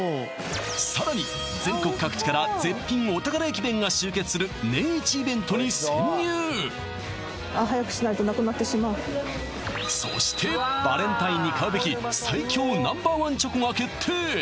さらに全国各地から絶品お宝駅弁が集結する年イチイベントに潜入そしてバレンタインに買うべき最強Ｎｏ．１チョコが決定